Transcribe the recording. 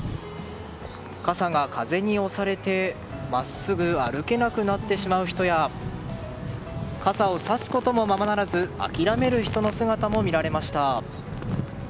傘が風に押されて、真っすぐ歩けなくなってしまう人や傘をさすこともままならず諦める人の姿も見られました。